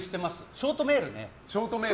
ショートメールね。